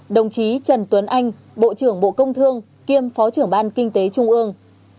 đồng chí trần tuấn anh bộ trưởng bộ công thương kiêm phó trưởng ban kinh tế trung ương